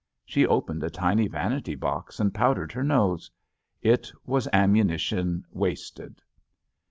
She opened a tiny vanity box and powdered her nose. It was ammunition wasted.